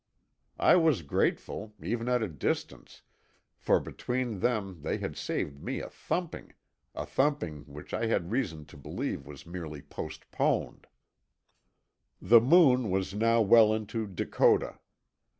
I was grateful, even at a distance, for between them they had saved me a thumping—a thumping which I had reason to believe was merely postponed. The Moon was now well into Dakota.